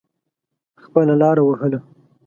خپله لاره وهله.